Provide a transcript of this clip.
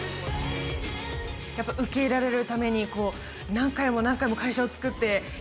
やっぱり受け入れられるために何回も何回も会社をつくってやっ